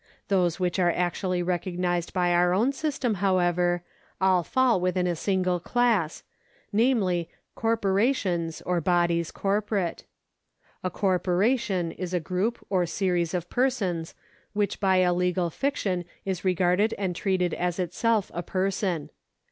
Those which are actually recognised by our own system, however, all fall within a single class, namely corporations or bodies corporate, A corporation is a group or series of persons which by a legal fiction is regarded and treated as itself a person.